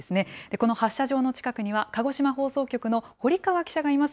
この発射場の近くには、鹿児島放送局の堀川記者がいます。